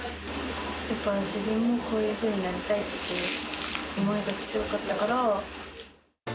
やっぱ自分もこういうふうになりたいっていう思いが強かったから。